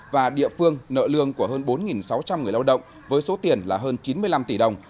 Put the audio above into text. và địa phương nợ lương của hơn bốn sáu trăm linh người lao động với số tiền là hơn chín mươi năm tỷ đồng